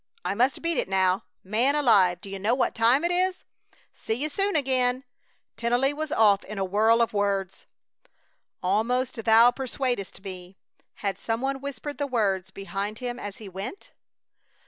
I must beat it now! Man alive! Do you know what time it is? See you soon again!" Tennelly was off in a whirl of words. "Almost thou persuadest me!" Had some one whispered the words behind him as he went?